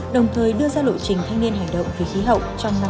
đồng thời đưa ra lộ trình thanh niên hành động vì khí hậu trong năm năm